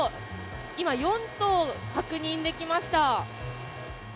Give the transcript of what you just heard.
今、４頭確認できました。